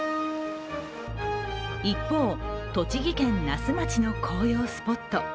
一方、栃木県那須町の紅葉スポット。